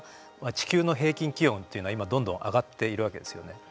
地球の平均気温っていうのは今どんどん上がっているわけですよね。